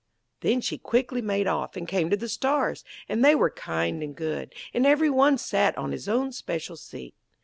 Then she quickly made off, and came to the Stars, and they were kind and good, and every one sat on his own special seat.